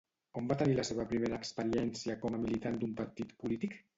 On va tenir la seva primera experiència com a militant d'un partit polític?